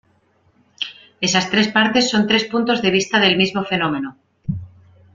Esas tres partes son tres puntos de vista del mismo fenómeno.